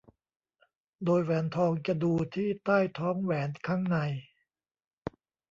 โดยแหวนทองจะดูที่ใต้ท้องแหวนข้างใน